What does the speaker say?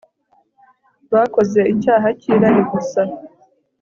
bakoze icyaha cy'irari gusa